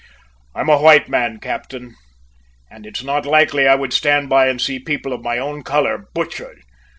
"I'm a white man, captain, and it's not likely I would stand by and see people of my own colour butchered!